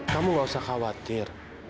kamu tidak perlu khawatir